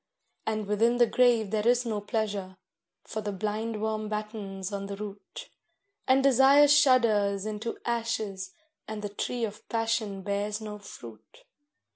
And within the grave there is no pleasure, for the blindworm battens on the root, And Desire shudders into ashes, and the tree of Passion bears no fruit.